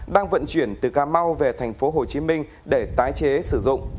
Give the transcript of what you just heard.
đang vận chuyển từ cà mau về tp hcm để tái chế sử dụng